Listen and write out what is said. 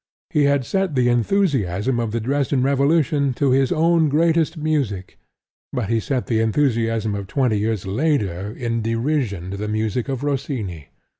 He had set the enthusiasm of the Dresden Revolution to his own greatest music; but he set the enthusiasm of twenty years later in derision to the music of Rossini.